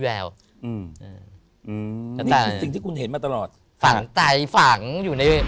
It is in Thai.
โปรดติดตามต่อไป